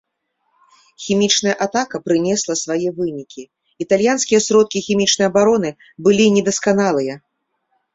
Хімічная атака прынесла свае вынікі, італьянскія сродкі хімічнай абароны былі недасканалыя.